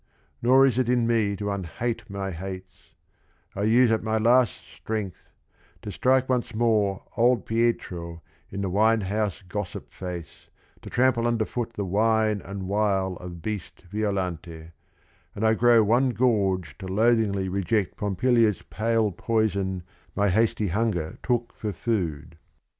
Nor is it in me to unhate my hates, — I use up my last strength to strike once more Old Pietro in the wine house gossip face, To trample underfoot the whine and wile Of beast Violante, — and I grow one gorge To loathingly reject Pompilia's pale Poison my hasty hunger took for food.